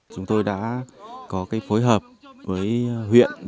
chúng tôi đã có cái phối hợp với huyện